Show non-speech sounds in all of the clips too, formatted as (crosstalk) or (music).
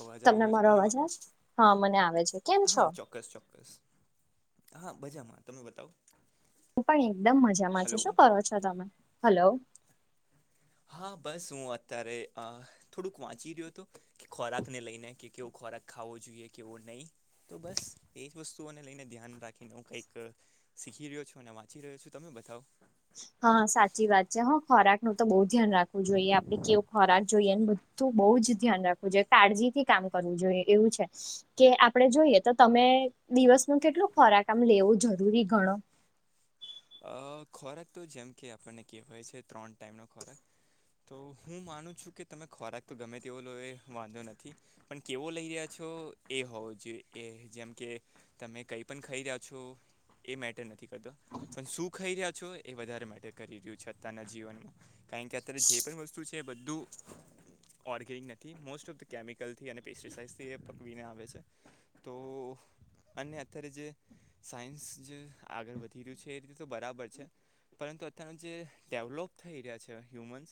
અવાજ આવી રીયો છે તમને અવાજ મારો. આવે છે? હા મને આવે છે. કેમ છો? હા, ચોક્કસ ચોક્કસ. હા બજામાં તમે બતાવ. હું પણ એકદમ મજામાં છ. શું કરો છો તમે? હલો. હા બસ હુ અતારે અ થોડુંક વાંચી રીયો હતો કે, ખોરાકને લઈને કે કેવો ખોરાક. ખાવો જોઈએ કેવો નઈ તો બસ એ જ વસ્તુઓને લઈને ધ્યાન રાખીને હુ કંઈક. સીખી રીયો છું ને વાંચી રીયો છુ. તમે બતાવ. હ સાચી વાત છે હ ખોરાક નું તો બવ ધ્યાન રાખવું જોઈએ આપડે કેવો ખોરાક જોઈએ ને. તું બઉ જ ધ્યાન રાખવુ જોઈએ, કાળજી થી કામ કરવુ જોઈએ એવુ છે. કે આપડે જોયે તો તમે દિવસ નુ કેટલું ખોરાક આમ લેવુ જરૂરી ગણો? અ ખોરાક તો જેમ કે આપને કેવાય છે ત્રણ ટાઈમનો ખોરાક. તો હું માનું છું કે તમે ખોરાક તો ગમે તેવો લો એ વાંધો નથી. પણ કેવો લઈ હ્યા છો એ હોવ જોઈ એ, જેમ કે તમે કઈ પણ ખઈ રહ્યા છો, એ મેટર નથી કરતો. પણ શું ખઈ રહ્યા છો એ વધારે મેટર કરી રહ્યું છે અતારના જીવનમાં કારણ કે અત્યારે જે પણ વસ્તુ છે તેે બદધુ. ઓર્ગેનિ નથી મોસ્ટ ઓફ ધ કેમિકલથી અને પેસરીસાઈથી પકવીને આવે છે. તો અને અતારે જે સાયન્સ જે આગળ વધી રહ્યું છે. તે જરીતે તો બરાબર છે પરંતુ અતારના જે ડેવલોપ થઈ રહ્યા છે હ્યુમન્સ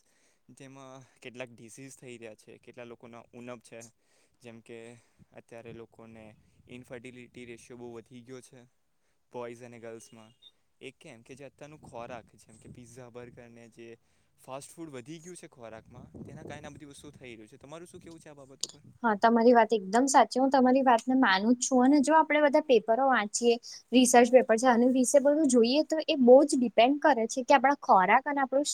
જેમાં કેટલાક ડિઝઝ થઈ રહ્યા છે, કેટલા લોકોના ઉનપ છે. જેમ કે અત્યારે લોકોને ઇનફર્ટિલિટી રેશિયો બઉ વધી ગયો છે. બોઈસ અને ગલ્સમાં. એક કેમ કે જે અતારનુ ખોરાક જેમ કે પીઝા, બર્ગર ને જે ફાસ્ટ ફૂડ વધી ગયું છે ખોરાકમાં તેના કારણે આ બધી વસ્તુ થઈ રહુ છે. તમારુ શું કેવું છે? આ બાબતો પર. હા તમારી વાત એકદમ સાચી. હું તમારી વાતને માનું છું અને જો આપડે બધા પેપરો વાંચીએ રિસર્ચ પેપર છે અને રિસેબલનુ જોઈએ તો એ બોઉ જ ડિપેન્ડ કરે છે કે આપણા ખોરાક અને આપણું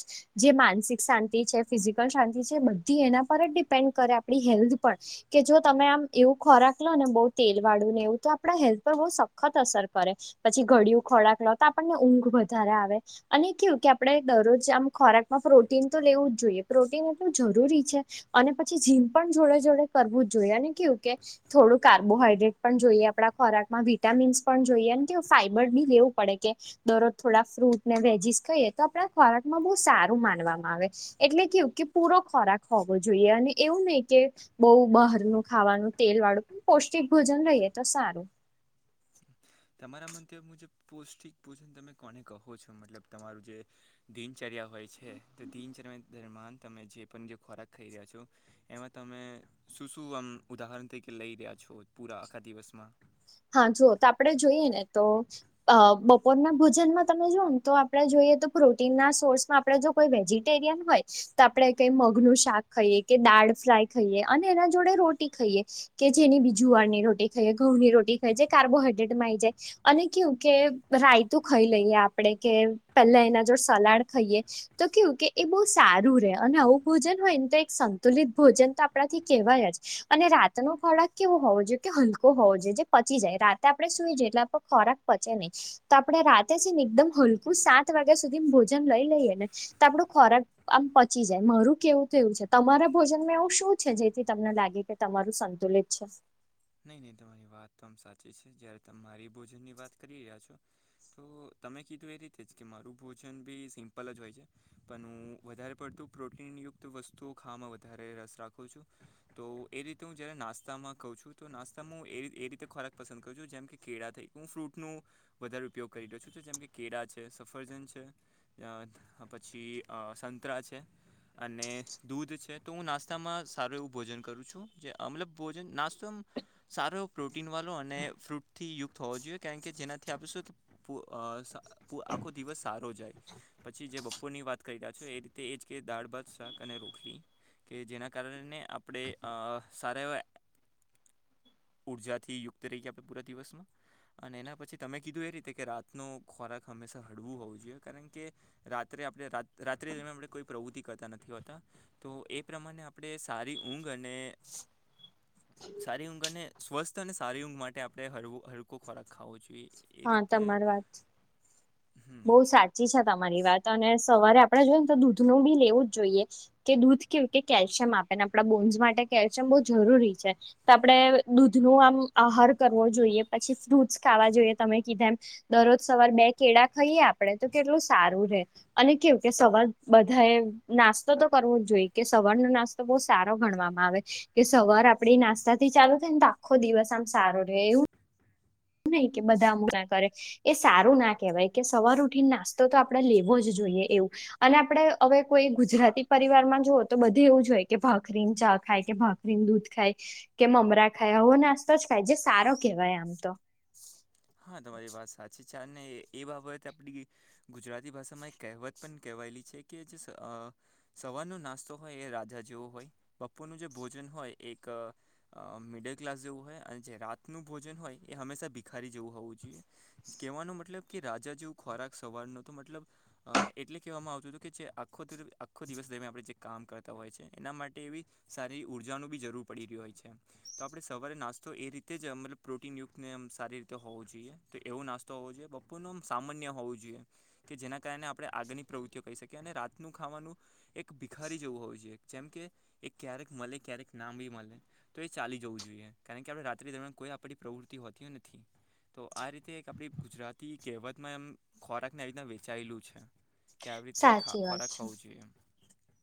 જે માનસિક સાંતિ છે, ફિઝિકલ શાંતિ છે, બધી એના પર જ ડિપેન્ડ કરે આપડી હેલ્થ પર કે જો તમે આમ એવું ખોરાક લો ને બઉ તેલ વાળુ ને એવુ તો આપણા હેલ્થ પર બઉ સખત અસર કરે. પછી ઘડિયું ખોરાક લો તો આપણને ઊંઘ વધારે આવે. અને કેવુ કે આપડે દરરોજ આમ ખોરાકમાં પ્રોટીન તો લેવું જ જોયે પ્રોટીન એટલું જરૂરી છે. અને પછી ઝીમ પણ જોડે જોડે કરવુ જ જોયે અને કેવુ કે થોડું કાર્બોહાઈડ્રેટ પણ જોઈએ આપણા ખોરાકમાં વિટામીન્સ પણ જોયે ને કેવ ફાઈબર ની લેવું પડે કે દરોજ થોડા ફ્રૂટ ને વેજીસ ખઈએ તો આપણા ખોરાકમાં બવ સારુ માનવામાં આવે. એટલે કેવુ કે પૂરો ખોરાક હોવો જોઈએ અને એવું નહી કે બોઉ બહારનુ ખાવાનુ તેલ વાળુ પૌષ્ટિક ભોજન લયે તો સારુ. તમારા મંતવ્ય મુજબ પૌષ્ટિક ભોજન તમે કોને કહો છો મતલબ તમારું જે દિનચર્યા હોય છે તો દિનચર્યા દરમિયાન તમે જે પણ જે ખોરાક ખાઈ રહ્યા છો એમાં તમે શું શું આમ ઉદાહરણ તકે લઈ રહ્યા છો પૂરા આખા દિવસમાં હા જોુ તો આપડણે જોઈએ ને તો બપોરના ભોજનમાં તમે જોુને તો આપડે જોઈએ તો પ્રોટીન ના સોર્સમાં આપે જો કોઈ વેજીટેરિયન હોય તો આપડણે કઈ મગનુંું શાક ખાઈએ કે દાળ ફ્રાય ખાઈએ અને એના જોડે રોટી ખાઈએ કે જેની બીજું વારની રોટી ખાઈ ઘઉં ની રોટી ખાય જે કાર્બોહાઈડ્રેટમાં આ આવી જાય અને કવું કે રાયતું ખાઈ લઈએ આપણેે કે પેલા એના જો સલાડ ખાઈએ તો કેવું કે એ બહુ સારું રે અને આવું ભોજન હોયને તો એક સંતુલિત ભોજન તો આપણાથી કેહેવાય જ અને રાતનોો ખોડાક કેવો હોવો જોઈએ કે હલકો હોવો જોઈએ પચી જાય રાતે આપડે સુઈ જઈએ એટલે ખોરાક પચે નહી તો આપણે રાતે છેને એકદમ હલકું સાત વાગ્યા સુધી ભોજન લઈ લઈએ ને તો આપણો ખોરાક આમ પચી જાય મારું કેવું થવું છે તમારા ભોજનમાં એવું શું છે જેથી તમને લાગે કે તમારું સંતુલિત છે. નહીં નહીં તમારી વાત તો આમ સાચી છે જયારે તમે મારી ભોજનની વાત કરી રહ્યા છો તો તમે કીધું એ રીતે જ કે મારું ભોજન બી સિમ્પલ જ હોય છે પણ હું વધારે પડતું પ્રોટીન યુક્ત વસ્તુઓ ખાવામાં વધારે રસ રાખું છું તો એ રીતે હું જયારે નાસ્તામાં કહ છું તો નાસ્તા હું એ એ રીતે ખોરાક પસંદ કરું છું જેમ કે કેળા થઈ હું ફ્રૂટનું વધારે ઉપયોગ કરી રહ્યો છું તો જેમ કે કેળા છે સફરજન છે પછી સંતરા છે અને દૂધ છે તો હું નાસ્તામાં સારું એવું ભોજન કરું છું જે મતલબ ભોજન નાસ્તો સારો એવો પ્રોટીન વાળો અને ફ્રૂટથી યુક્ત હોવો જોઈએ કારણ કે જેનાથી આપણે શું આખો દિવસ સારો જાય પછી જે બપોર ની વાત કરી રહ્યા છો એ રીતે એ જ કે દાળ ભાત શાક અને રોખડી કે જેના કારણને આપણે સારા ઉર્જાથી યુક્ત રહીએ આપણે પૂરા દિવસમાં અને એના પછી તમે કીધું એ રીતે કે રાતનો ખોરાક હંમેશા હળવું હોવું જોઈએ કારણ કે રાત્રે આપણે રાત્રે આપણે કોઈ પ્રવૃતિ કરતા નથી હોતા તો એ પ્રમાણે આપણે સારી ઊંઘ અને સારી ઊંઘ અને સ્વસ્થ અને સારી ઊંઘ માટે આપણે હલ્કો ખોરાક ખાવો જોઈએ. એ હા રીતે તમારી વાત હમ બઉ સાચી છે તમારી વાત અને સવારે આપડે જોઈએ ને તો દૂધનું બી લેવું જ જોઈએ કે દૂધ કેવુ કેલ્શિયમ આપે ને આપણા બોન્સ માટે કેલ્શિયમ બહુ જરૂરી છે. તો આપણેે દૂધ નો આમ આહાર કરવો જોઈએ પછી ફ્રુટ્સ ખાવા જોઈએ તમે કીધા એમ દરરોજ સવાર બે કેળા ખાઈએ આપડે તો કેટલું સારું રે અને કેવું કે સવાર બધા એ નાસ્તો તો કરવો જ જોઈએ કે સવારનો નાસ્તો તો બહુ સારો ગણવામાં આવે. કે સવાર આપડી નાસ્તા થી ચાલુ થાય ને તો આખો દિવસ આમ સારો રહે એવું નહી કે બધામું કરે એ સારું ના કહેવાય કે સવાર ઉઠીને નાસ્તો તો આપણેે લેવો જ જોઈએ એવું અને આપડે હવે કોઈ ગુજરાતી પરિવારમાં જુઓ તો બધે એવું જ હોય કે ભાખરી ને ચા ખાય કે ભાખરી દૂધ ખાય કે મમરા ખાય આવવો નાસ્તો જ ખાય જે સારો કેહેવાય આમ તો હા તમારી વાત સાચી અને એ બાબતે આપડી ગુજરાતી ભાષામાં એક કહેવત પણ કહેવાયેલી છે કે જે સવારનો નાસ્તો હોય એ રાજા જેવો હોય બપોરનું જે ભોજન હોય એક અ મિડલ ક્લાસ જેવું હોય અને જે રાતનું ભોજન હોય એ હંમેશા ભીખારી જેવું હોવું જોઈએ કેહેવાનો મતલબ કે રાજા જેવો ખોરાક સવારનો તો મતલબ એટલે કહેવામાં આવતું હતું કે જે આખો આખો દિવસ દરમિયાન આપણે જે કામ કરતા હોય છે એના માટે એવી સારી ઊર્જાનું બી જરૂર પડી રહ્યું હોય છે. તો આપડે સવારે નાસ્તો એ રીતે જ મતલબ પ્રોટીન યુક્ત ને સારી રીતે તો હોવું જોઈએ તો એવો નાસ્તો હોવો જોઈએ બપોરનું આમ સામાન્ય હોવું જોઈએ. કે જેના કારણે આપણે આગળની પ્રવૃત્તિઓ કરી શકીએ અને રાતનું ખાવાનું એક ભિખારી જેવું હોવુ જોઈએ જેમ કે એ ક્યારેક મલે ને ક્યારેક ના બી મલે તો એ ચાલી જવું જોઈએ કારણ કે આપણે રાત્રિ દરમિયાન કોઈ આપણી પ્રવૃત્તિ હોતી નથી. તો આ રીતે એક આપણી ગુજરાતી કહેવતમાં એમ ખોરાકને આવી રીતે વહેચાયેલું છે કે આવી રીતે સાચી વાત ખોરાક છે હોઉ જોઈએ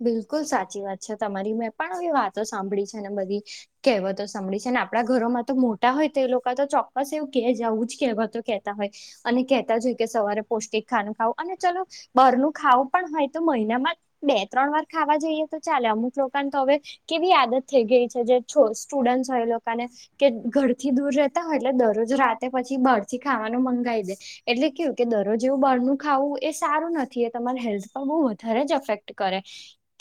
બિલકુલ સાચી વાત છે તમારી મેં પણ આવી વાતો સાંભળી છે ને બધી કહેવતો સાભળી છે ને આપણા ઘરોમાં તો મોટા હોય તો એ લોકો તો ચોક્કસ એવું કહે જ આવું જ કહેવતો કેતા હોય અને કહેતા હોઈ કે સવારે પૌષ્ટિક ખાનું ખાવું અને ચલો બહારનું ખાવું પણ હોય તો મહિનામાં બે ત્રણ વાર ખાવા જઈએ તો ચાલે અમુક લોકોને તો હવે કેવી આદત થઈ ગઈ છે જે છે સ્ટુડન્ટ હોય એ લોકા ની કે ઘરથી દૂર રહેતા હોય એટલે દરરોજ રાતે પછી બહારથી ખાવાનું મંગાવી દે એટલે કેવું કે દરરોજ જેવું બારનું ખાવું એ સારું નથી એ તમારા હેલ્થ પર બહુ વધારે જ અફેક્ટ કરે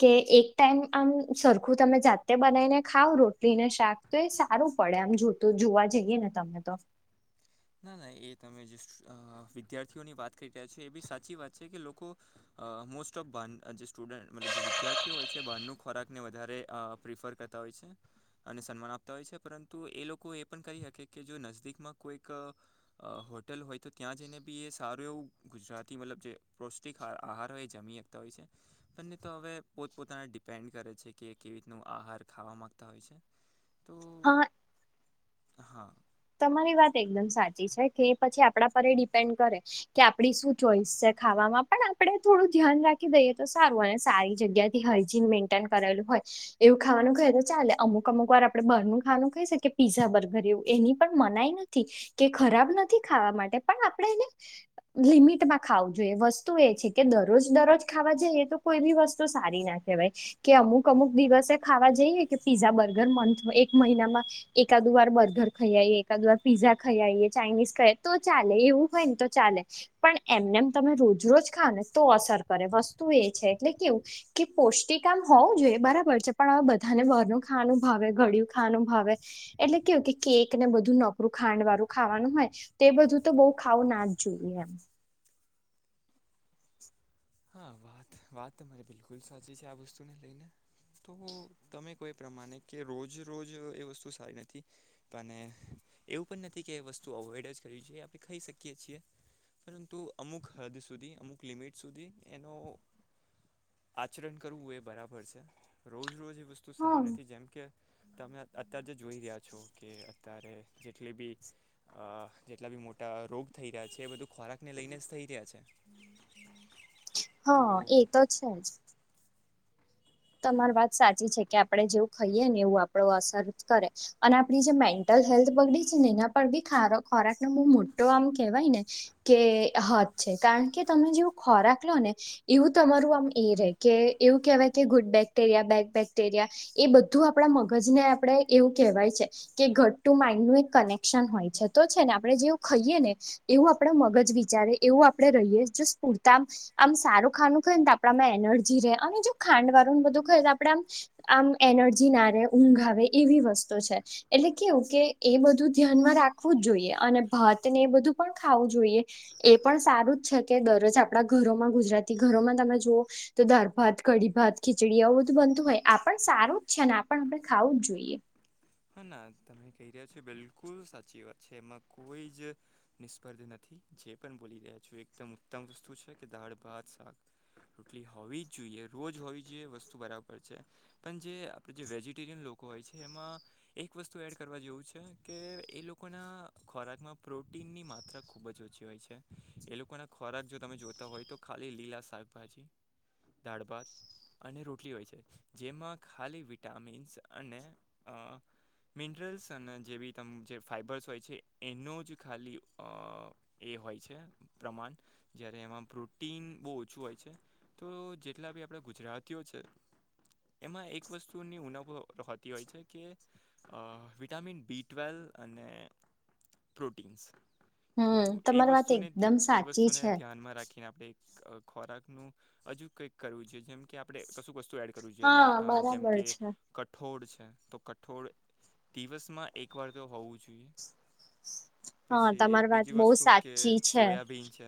કે એક ટાઈમ આમ સરખું તમે જાતે બનાવીને ખાવ રોટલી ને શાક તો એ સારું પડે આમ જોતું જોવા જઈએ ને તમે તો ના ના એ તમે જે વિદ્યાર્થીઓની વાત કરી રહ્યા છો એ બી સાચી વાત છે કે લોકો મોસ્ટ ઓફ જે સ્ટુડન્ટ મતલબ જે વિદ્યાર્થીઓ હોય છે બહારનું ખોરાકને વધારે પ્રિફર કરતા હોય છે અને સન્માન આપતા હોય છે પરંતુ એ લોકો એ પણ કરી શકે કે જો નજદીકમાં કોઈક અ હોટલ હોય તો ત્યાં જઈને બી એ સારું એવું ગુજરાતી મતલબ જે પૌષ્ટિક આહાર હોય જમીએ તા હોય છે (unintelligible) પણ એ તો હવે પોતપોતાના ડિપેન્ડ કરે છે કે કેવી રીતનું આહાર ખાવા માંગતા હોય છે (inaudible) તો હા હા તમારી વાત એકદમ સાચી છે કે પછી આપણા પર એ ડિપેન્ડ કરે છે કે આપડી શું ચોઈસ છે ખાવામાં પણ આપડણે થોડું ધ્યાન રાખી દઈએ તો સારું અને સારી જગ્યા કે હાઈજીન મેન્ટેન કરેલુ હોય છે એવું ખાવાનું ખાઈ તો ચાલે અમુક અમુક વાર આપણે બારનું ખાવાનું ખાઈ શકીએ પીઝા બર્ગર એવું ની પણ મનાઈ નથી કે ખરાબ નથી ખાવા માટે પણ આપણે એને લિમિટમાં ખાવું જોઈએ વસ્તુ એ છે કે દરરોજ દરરોજ ખાવા જ એ તો કોઈ બી વસ્તુ સારી ના કેવાય કે અમુક અમુક દિવસે ખાવા જઈએ કે પીઝા બર્ગર મંથ એક મહિનામાં એકાદ વાર બધા ખઈ આઇયે એકાદ વાર પીઝા ખાઈ આવિઆઈએ ચાઇનીઝ ખાઈ તો ચાલે એવું હોય ને તો ચાલે પણ એમને એમ તમે રોજ રોજ ખાવઓ ને તો અસર કરે વસ્તુ એ છે એટલે કે કે પૌષ્ટિક આમ હોવું જોઈએ બરાબર છે પણ હવે બધાને બાર નું ખાવાનું ભાવે ગળિયું ખાવાનું ભાવે એટલે કેમકે કેક ને બધું નકરું ખાંડ વાળું ખાવાનું હોય તો એ બધું તો બહુ ખાવું ના જ જોઈએ એમ હા હા વાત વાત તમારી બિલકુલ સાચી છે આ વસ્તુને લઈને તો તમે કો એ પ્રમાણે કે રોજ રોજ એ વસ્તુ સારી નથી પણ એવું પણ નથી કે વસ્તુ અવોઇડ જ કરવી જોઈએ આપણે ખાઈ શકીએ છીએ પરંતુ અમુક હદ સુધી અમુક લિમિટ સુધી એનો આચરણ કરવું એ બરાબર છે રોજ રોજ એ વસ્તુ તું હા સારી નથી જેમ કે તમે અત્ય્યારે જે જોઈ રહ્યા છો કે અત્યારે જેટલી બી અ જેટલા બી મોટા રોગ થઈ રહ્યા છે એ બધું ખોરાકને લઈને જ થઈ રહ્યા છે તો હ એ તો છે જ તમારી વાત સાચી છે કે આપડે જેવું ખાઈએ ને એવું આપડ ને અસર કરે અને આપડી જે મેન્ટલ હેલ્થ બગડી છે ને એના પર બી ખોરાક નો બહુ મોટો આમ કહેવાય ને. કે હત છે કારણ કે તમે જેવું ખોરાક લો ને. એવું તમારું આમ એ રે કે એવું કેહેવાય કે ગુડ બેક્ટેરિયા બેગ બેક્ટેરિયા, એ બધું આપડા મગજને આપડે એવું કહેવાય છે. કે ઘટ ટુ માઈન્ડ નું એક કનેક્શન હોય છે તો છે ને આપડણે જેવું ખાઈએ ને. એવું આપડ મગજ વિચારે એવું આપડે રહીએ જો સ્ફૂરતા આમ સારું ખાનું ખાય ને તો આપણામાં એનર્જી રહે અને જો ખાંડ વાળું ન બધું ખાય તો આપડે આમ આમ એનર્જી નારે ઊંઘ આવે એવી વસ્તુ છે. એટલે કેવું કે એ બધું ધ્યાનમાં રાખવું જ જોઈએ અને ભાત ને એ બધું પણ ખાવું જોઈએ. એ પણ સારું જ છે કે દરરોજ આપણા ઘરોમાં ગુજરાતી ઘરોમાં તમે જુઓ, તો ધારભાત કડી ભાત ખીચડી આવવું બધું બનતું હોય આપ પણ સારું જ છે ને આપ આપણેે ખાવું જ જોઈએ. હા ના તમે કહી રહ્યા છો બિલકુલ સાચી વાત છે એમાં કોઈ જ. નિષ્પર્ધ નથી જે પણ બોલી રહ્યા છું એકદમ ઉત્તમ વસ્તુ છે કે દાળ ભાત શાક. રોટલી હોવી જ જોઈએ રોજ હોવી જોઈએ વસ્તુ બરાબર છે. પણ જે આપણે જે વેજિટેરિયન લોકો હોય છે એમાં એક વસ્તુ એડ કરવા જેવું છે કે એ લોકોના ખોરાકમાં પ્રોટીનની માત્રા ખુબ જ ઓછી હોય છે, એ લોકો ના ખોરાક જો તમે જોતા હોય તો ખાલી લીલા શાકભાજી. દાળ ભાત, અને રોટલી હોય છે, જેમાં ખાલી વિટામિન્સ અને હા મિનરલ્સ અને જે બી તમ જે ફાઈબર્સ હોય છે એનો જ ખાલી એ હોય છે પ્રમાણ, જ્યારે એમાં પ્રોટીન બહુ ઓછું હોય છે. તો જેટલા બી આપડ ગુજરાતીઓ છે. એમાં એક વસ્તુની ઉનપ હોતી હોય છે. કે વિટામિન બી ટ્વેલ, અને પ્રોટીન્સ. તો હમ એ તમારી વાત વસ્તુને એકદમ એ સાચી વસ્તુને છે ધ્યાનમાં રાખી કેને આપણે ખોરાકનું, હજુ કંઈક કરવું જોઈએ જેમ કે આપણે કશું વસ્તુ એડ કરવવી જોઈએ હા લ જેમ બરાબર કે, છે કઠોળ છે, તો. કઠોળ દિવસમાં એકવાર તો હોવું જોઈએ. હા પછી તમારી વાત બીજી બહુ વસ્તુ કે સાચી છે સોયાબીન છે.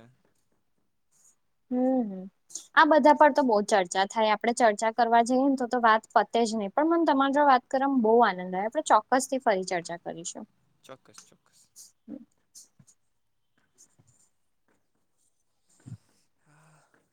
હમ, આ બધા પર તો બહ ચર્ચા થાય આપ આપણે ચર્ચા કરવા જઈએ ને તો વાત ફતે જ નહીં પણ મને તમારી જો વાત કરવામાં બહુ આનંદ આવે આપ. બસથી ફરી ચર્ચા કરીશું. ચોક્કસ ચોક્કસ. હા.